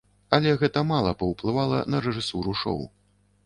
Але гэта мала паўплывала на рэжысуру шоу.